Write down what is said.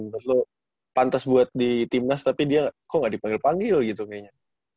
menurut lu pantas buat di tim nas tapi dia kok nggak dipanggil panggil gitu kayaknya